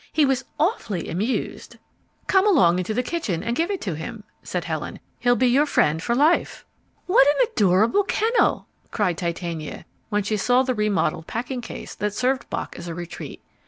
He was awfully amused." "Come along into the kitchen and give it to him," said Helen. "He'll be your friend for life." "What an adorable kennel!" cried Titania, when she saw the remodelled packing case that served Bock as a retreat.